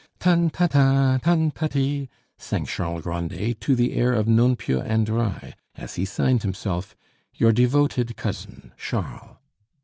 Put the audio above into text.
"Tan, ta, ta tan, ta, ti," sang Charles Grandet to the air of Non piu andrai, as he signed himself, Your devoted cousin, Charles.